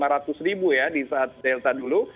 lima ratus ribu ya di saat delta dulu